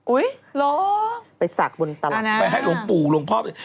อุ๊ยหรอไปสักบนตลาดอานะไปให้หลงปู่หลงพ่อ